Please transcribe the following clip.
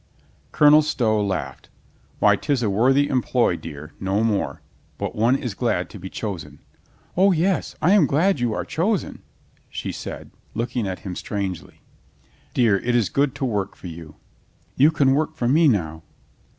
Colonel Stow laughed. "Why, 'tis a worthy em ploy, dear, no more. But one Is glad to be chosen." "O yes, I am glad you are chosen," she said, looking at him strangely. "Dear, it is good to work for you." "You can work for me now."